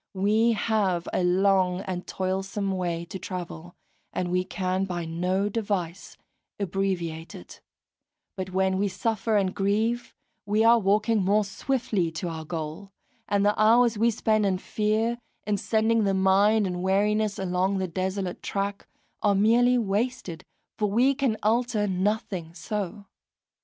We have a long and toilsome way to travel, and we can by no device abbreviate it; but when we suffer and grieve, we are walking more swiftly to our goal; and the hours we spend in fear, in sending the mind in weariness along the desolate track, are merely wasted, for we can alter nothing so.